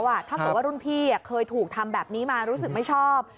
ถ้าเกิดว่ารุ่นพี่เคยถูกทำแบบนี้มารู้สึกไม่ชอบ